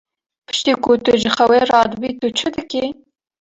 Piştî ku tu ji xewê radibî, tu çi dikî?